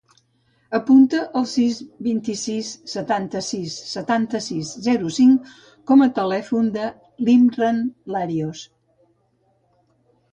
Apunta el sis, vint-i-sis, setanta-sis, setanta-sis, zero, cinc com a telèfon de l'Imran Larios.